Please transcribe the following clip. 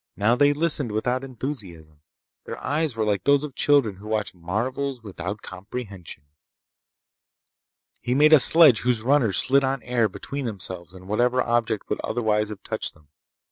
Now they listened without enthusiasm. Their eyes were like those of children who watch marvels without comprehension. He made a sledge whose runners slid on air between themselves and whatever object would otherwise have touched them.